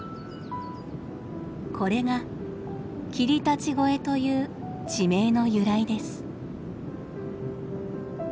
これが「霧立越」という地名の由来です。